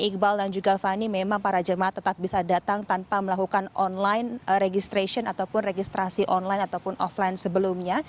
iqbal dan juga fani memang para jemaat tetap bisa datang tanpa melakukan online registration ataupun registrasi online ataupun offline sebelumnya